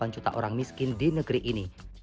dua puluh delapan juta orang miskin di negeri ini